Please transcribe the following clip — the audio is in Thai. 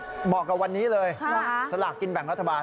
เหมาะกับวันนี้เลยสลากกินแบ่งรัฐบาล